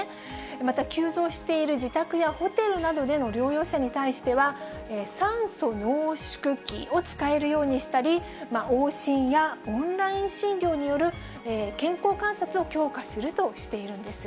また急増している自宅やホテルなどでの療養者に対しては、酸素濃縮器を使えるようにしたり、往診やオンライン診療による健康観察を強化するとしているんです。